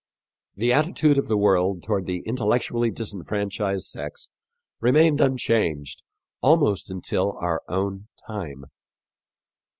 The attitude of the world toward the intellectually disfranchised sex remained unchanged almost until our own time.